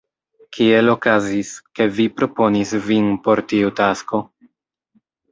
Kiel okazis, ke vi proponis vin por tiu tasko?